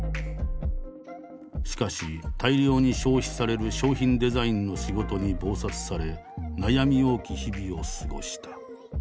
しかし大量に消費される商品デザインの仕事に忙殺され悩み多き日々を過ごした。